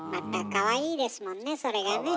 かわいいですもんねそれがね。